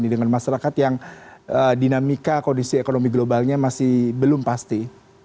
dengan masyarakat yang dinamika kondisi ekonomi globalnya masih belum pasti